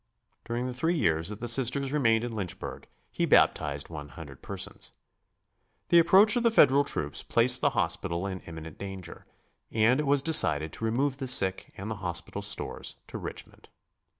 During the three years that the Sisters remained in Lynchburg he baptized one hundred persons. The approach of the Federal troops placed the hospital in imminent danger, and it was decided to remove the sick and the hospital stores to Richmond.